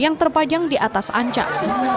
yang terpajang di atas ancak